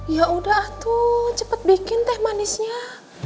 ya udah tuh cepet bikin teh manisnya